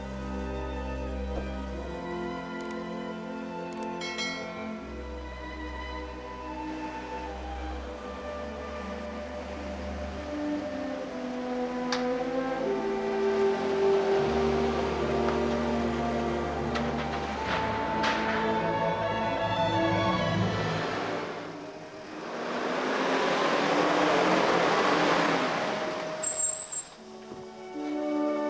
ya siapa diantara kalian bertiga anaknya pak wirjo